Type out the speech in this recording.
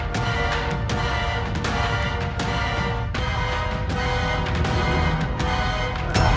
hal ini harus ditentukan